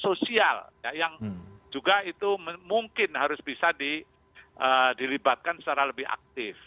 dari organisasi organisasi sosial yang juga itu mungkin harus bisa dilibatkan secara lebih aktif